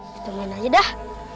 kita main aja dah